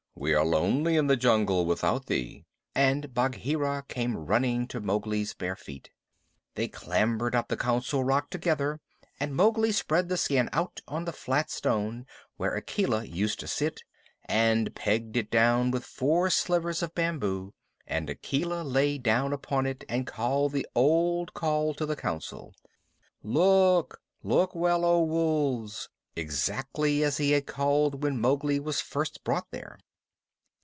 "We were lonely in the jungle without thee," and Bagheera came running to Mowgli's bare feet. They clambered up the Council Rock together, and Mowgli spread the skin out on the flat stone where Akela used to sit, and pegged it down with four slivers of bamboo, and Akela lay down upon it, and called the old call to the Council, "Look look well, O Wolves," exactly as he had called when Mowgli was first brought there.